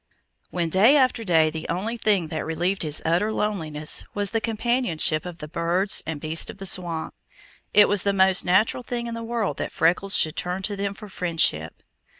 When day after day the only thing that relieved his utter loneliness was the companionship of the birds and beasts of the swamp, it was the most natural thing in the world that Freckles should turn to them for friendship.